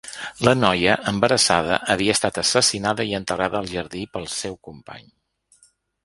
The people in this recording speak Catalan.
La noia, embarassada, havia estat assassinada i enterrada al jardí pel seu company.